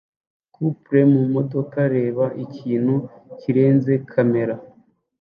Couple mumodoka reba ikintu kirenze kamera